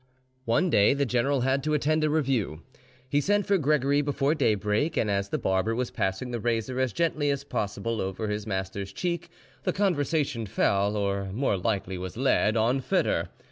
One day the general had to attend a review: he sent for Gregory before daybreak, and as the barber was passing the razor as gently as possible over his master's cheek, the conversation fell, or more likely was led, on Foedor.